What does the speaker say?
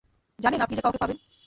জানেন আপনি যে কাউকে পাবেন।